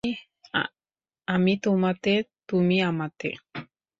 আমি তোমাতে, তুমি আমাতে।